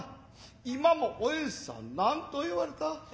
今もおえんさん何と言われた。